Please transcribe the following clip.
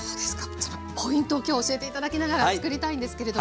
そのポイントを今日は教えて頂きながらつくりたいんですけれども。